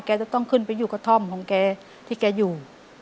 จะต้องขึ้นไปอยู่กระท่อมของแกที่แกอยู่